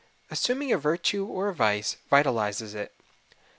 Assuming a virtue or a vice vitalizes it.